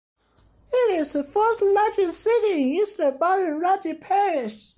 It is the fourth-largest city in East Baton Rouge Parish.